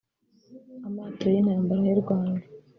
Amato y’intambara y’u Rwanda